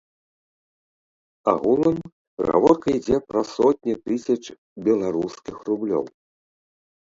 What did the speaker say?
Агулам гаворка ідзе пра сотні тысяч беларускіх рублёў.